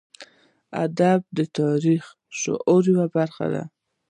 ادب د ټولنیز شعور یوه برخه ده.